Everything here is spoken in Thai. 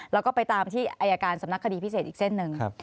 แล้วก็ไปตามที่อายการสำนักคดีพิเศษอีกเส้นหนึ่ง